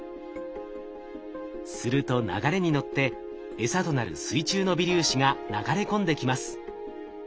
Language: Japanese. すると流れに乗ってエサとなる水中の微粒子が流れ込んできます。